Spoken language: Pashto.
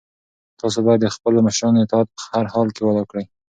تاسو باید د خپلو مشرانو اطاعت په هر حال کې وکړئ.